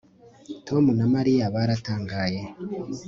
Tom na Mariya baratangaye